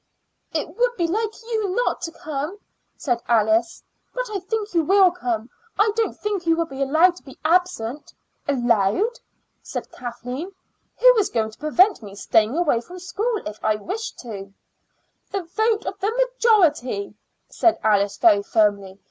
"It would be like you not to come," said Alice. "But I think you will come. I don't think you will be allowed to be absent." "Allowed!" said Kathleen. "Who is going to prevent me staying away from school if I wish to?" "The vote of the majority," said Alice very firmly.